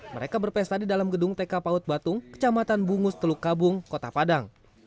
mereka berpesta di dalam gedung tk paut batung kecamatan bungus teluk kabung kota padang